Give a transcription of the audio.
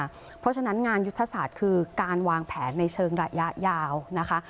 เพราะฉะนั้นงานยุทธศาสตร์คือการวางแผนในเชิงระยะยาวนะคะ